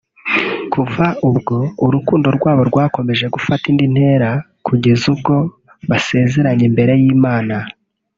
Kuva ubwo urukundo rwabo rwakomeje gufata indi ntera kugeza ubwo basezranye imbere y'Imana